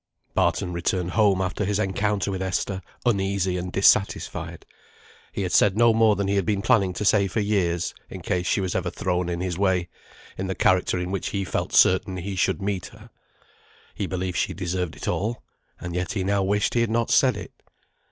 Barton returned home after his encounter with Esther, uneasy and dissatisfied. He had said no more than he had been planning to say for years, in case she was ever thrown in his way, in the character in which he felt certain he should meet her. He believed she deserved it all, and yet he now wished he had not said it.